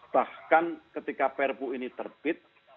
bahkan ketika perpu ini terbit